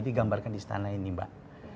digambarkan di istana ini mbak